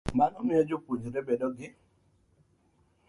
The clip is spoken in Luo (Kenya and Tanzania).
Mano miyo jopuonjre bedo gi .